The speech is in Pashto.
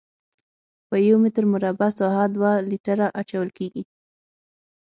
په یو متر مربع ساحه دوه لیټره اچول کیږي